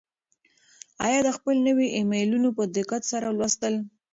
آیا ده خپل نوي ایمیلونه په دقت سره ولوستل؟